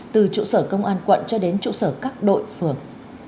từ trụ sở công an quận cho đến trụ sở các đội phường